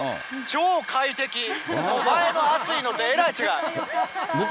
超快適、前の暑いのとえらい違う。